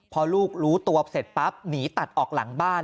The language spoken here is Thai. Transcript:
พอลูกรู้ตัวเสร็จปั๊บหนีตัดออกหลังบ้าน